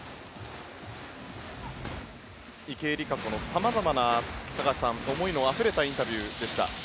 池江璃花子の様々な思いのあふれたインタビューでした。